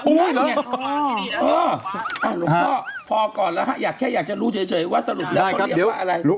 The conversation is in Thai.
หลวงพ่อก่อนแล้วครับอยากจะรู้เฉพาะถ้าเรียกไร